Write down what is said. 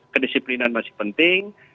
kedisiplinan masih penting